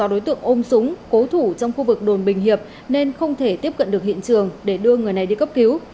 đối tượng ôm súng cố thủ trong khu vực đồn bình hiệp nên không thể tiếp cận được hiện trường để đưa người này đi cấp cứu